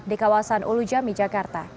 di kawasan ulu jami jakarta